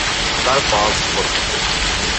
তার পালস কতো?